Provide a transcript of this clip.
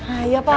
hai ya pak